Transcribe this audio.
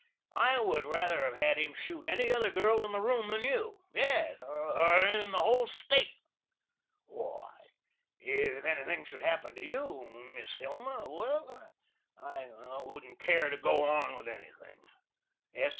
I would rather have had him shoot any other girl in the room than you; yes, or in the whole State. Why, if anything should happen to you, Miss Hilma well, I wouldn't care to go on with anything. S.